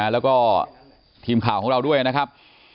แล้วก็ทีมข่าวของเราด้วยนะครับ